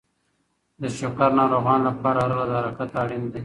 د شکر ناروغانو لپاره هره ورځ حرکت اړین دی.